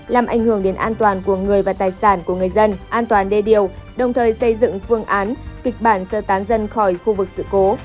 làm ảnh hưởng đến an toàn của người và tài sản của người dân an toàn đê điều đồng thời xây dựng phương án kịch bản sơ tán dân khỏi khu vực sự cố